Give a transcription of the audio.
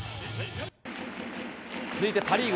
続いてパ・リーグ